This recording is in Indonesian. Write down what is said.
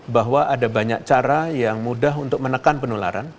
bahwa ada banyak cara yang mudah untuk menekan penularan